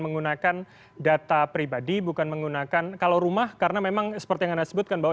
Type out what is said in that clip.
menggunakan data pribadi bukan menggunakan kalau rumah karena memang seperti yang anda sebutkan bahwa